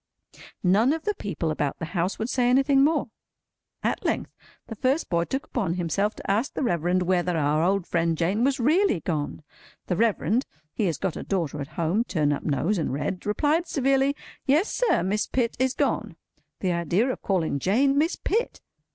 None of the people about the house would say anything more. At length, the first boy took upon himself to ask the Reverend whether our old friend Jane was really gone? The Reverend (he has got a daughter at home—turn up nose, and red) replied severely, "Yes, sir, Miss Pitt is gone." The idea of calling Jane, Miss Pitt!